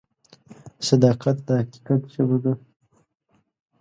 صداقت د حقیقت ژبه ده.